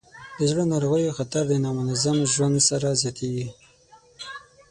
د زړه ناروغیو خطر د نامنظم ژوند سره زیاتېږي.